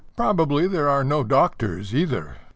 Probably there are no doctors either.